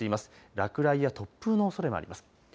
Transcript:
落雷や突風のおそれもあります。